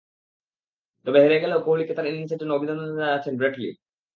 তবে হেরে গেলেও কোহলিকে তাঁর ইনিংসের জন্য অভিনন্দন জানাচ্ছেন ব্রেট লি।